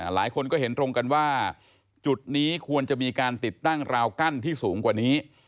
หลายคนก็เห็นตรงกันว่าจุดนี้ควรจะมีการติดตั้งราวกั้นที่สูงกว่านี้